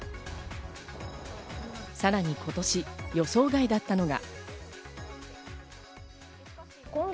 さらに今年、予想外だったのが。